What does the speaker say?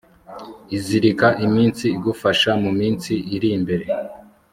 izirika iminsi igufasha mu minsi iri imbere